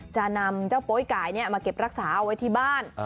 จะนำเจ้าโป๊ยไก่มาเก็บรักษาเอาไว้ที่บ้าน